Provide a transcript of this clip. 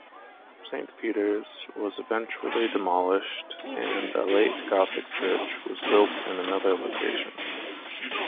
Saint Peter's was eventually demolished and a late-Gothic church was built in another location.